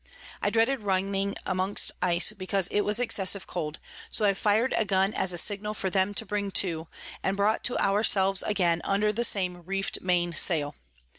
I dreaded running amongst Ice, because it was excessive cold; so I fir'd a Gun as a Signal for them to bring to, and brought to our selves again under the same reef'd Main Sail.